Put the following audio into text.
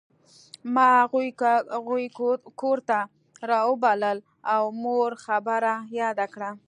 ما هغوی کور ته راوبلل او مور خبره یاده کړه